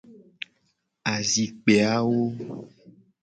Azikpe awo.